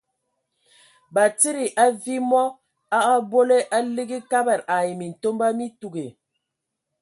Batsidi, a viimɔ a a abole, a ligi Kabad ai Mintomba mi tuugi.